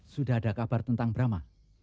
sudah ada kabar tentang brama